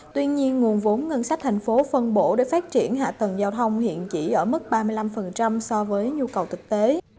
tuy nhiên nguồn vốn ngân sách thành phố phân bổ để phát triển hạ tầng giao thông hiện chỉ ở mức ba mươi năm so với nhu cầu thực tế